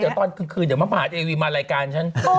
เกิดตอนผึ้งคืนเดี๋ยวมาหาเทวีมารายการฉัน